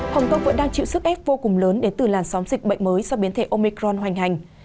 hồng kông vẫn đang chịu sức ép vô cùng lớn đến từ làn sóng dịch bệnh mới do biến thể omicron hoành hành